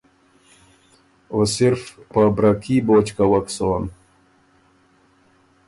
او صرف په برکي بوجھ کوَک سون۔